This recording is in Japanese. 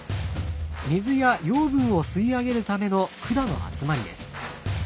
水や養分を吸い上げるための管の集まりです。